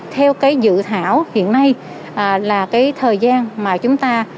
theo cái dự thảo hiện nay là cái thời gian mà chúng ta